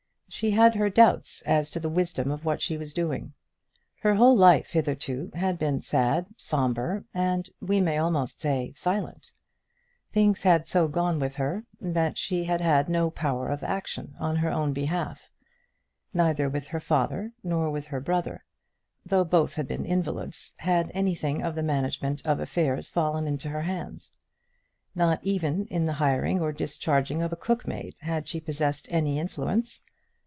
She had her doubts as to the wisdom of what she was doing. Her whole life, hitherto, had been sad, sombre, and, we may almost say, silent. Things had so gone with her that she had had no power of action on her own behalf. Neither with her father, nor with her brother, though both had been invalids, had anything of the management of affairs fallen into her hands. Not even in the hiring or discharging of a cookmaid had she possessed any influence.